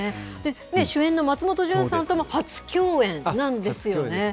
主演の松本潤さんとも初共演なんですよね？